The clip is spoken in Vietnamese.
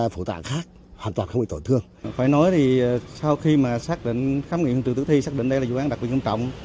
phải nói thì sau khi mà xác định khám nghiệm hình trường tử thi xác định đây là vụ án đặc biệt quan trọng